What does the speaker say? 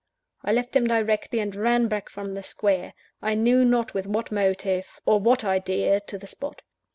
I left him directly, and ran back from the square I knew not with what motive, or what idea to the spot.